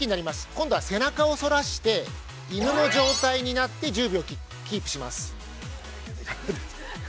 今度は背中を反らして犬の状態になって、１０秒キープします。